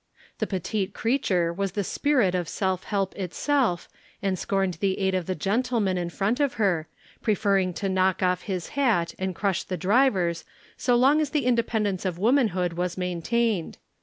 The petite creature was the spirit of self help itself and scorned the aid of the gentleman in front of her, preferring to knock off his hat and crush the driver's so long as the independence of womanhood was maintained.